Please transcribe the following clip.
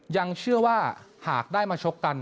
ยังเชื่อว่าหากได้มาชกกัน